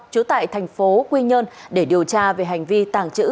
trú tại thành phố quy nhơn để điều tra về hành vi tàng trữ